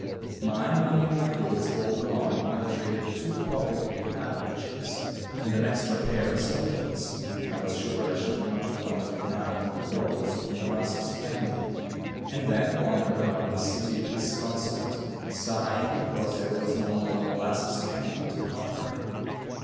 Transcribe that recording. My money and my goods all gone I traded two pocket handkerchiefs and an extra pair of stockings I was sure I should not want for nine more rolls of molasses candy, and then wandered about the city disconsolate, sighing because there was no more molasses candy to conquer.